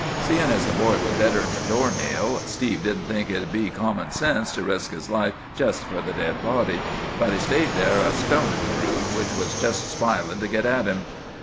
Seein' as the boy was deader'n a door nail, Steve didn't think it'd be common sense to resk his life jest for the dead body; but he stayed there a stonin' the brute, which was jest spilin' to git at him.